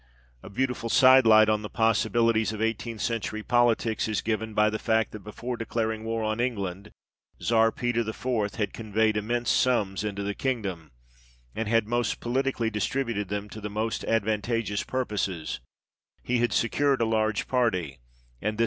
A beautiful side light on the possibilities of eighteenth century politics is given by the fact that before declaring war on England, Czar Peter IV. " had conveyed immense sums into the kingdom, and had most politically distributed them to the most advantageous purposes ; he had secured a large party, and this